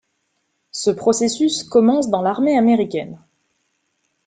Ce processus commence dans l'armée américaine.